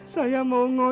saya mau ngejek siang malam